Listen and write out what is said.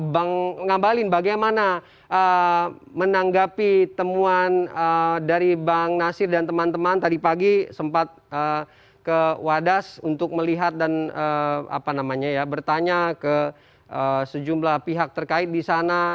bang ngabalin bagaimana menanggapi temuan dari bang nasir dan teman teman tadi pagi sempat ke wadas untuk melihat dan bertanya ke sejumlah pihak terkait di sana